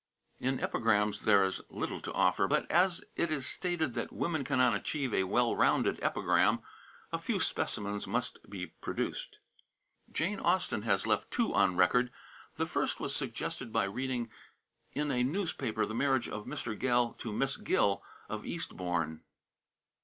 In epigrams there is little to offer. But as it is stated that "women cannot achieve a well rounded epigram," a few specimens must be produced. Jane Austen has left two on record. The first was suggested by reading in a newspaper the marriage of a Mr. Gell to Miss Gill, of Eastborne.